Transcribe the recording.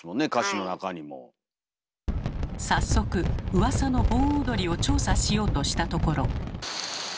早速うわさの盆踊りを調査しようとしたところ。